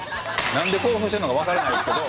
なんで興奮してるのかわからないですけど。